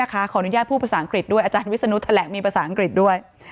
ขออนุญาตผู้อังกฤษด้วยอาจารย์วิศนุษย์แทลลามีอังกฤษด้วย